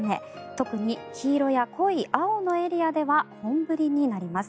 特に黄色や濃い青のエリアでは本降りになります。